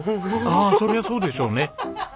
ああそりゃそうでしょうね。